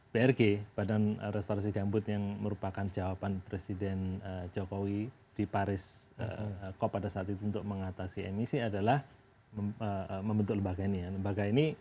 brg badan restorasi gambut yang merupakan jawaban presiden jokowi di paris cop pada saat itu untuk mengatasi emisi adalah membentuk lembaga ini ya